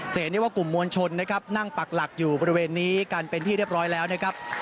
เห็นได้ว่ากลุ่มมวลชนนะครับนั่งปักหลักอยู่บริเวณนี้กันเป็นที่เรียบร้อยแล้วนะครับ